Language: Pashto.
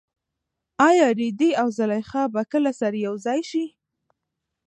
ایا رېدی او زلیخا به کله هم سره یوځای شي؟